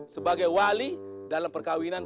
sebagai wali dalam perkawinan